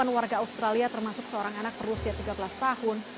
delapan warga australia termasuk seorang anak berusia tiga belas tahun